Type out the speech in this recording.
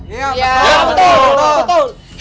iya betul betul